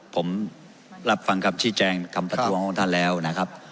ผมรับฟังครับชิคแจงคำตัดตัวของท่านแล้วนะครับ